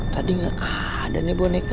tadi ah ada nih boneka